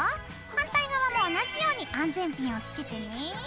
反対側も同じように安全ピンをつけてね。